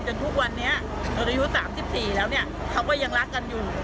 ทุกวันนี้อายุ๓๔แล้วเนี่ยเขาก็ยังรักกันอยู่